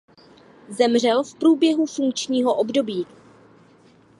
Zemřel v průběhu funkčního období.